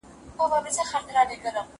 زه مخکي مېوې خوړلي وې